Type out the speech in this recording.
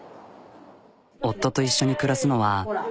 夫と一緒に暮らすのは。